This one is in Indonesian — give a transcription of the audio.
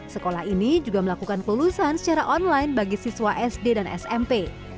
sekolah ini juga melakukan kelulusan secara online bagi siswa sd dan smp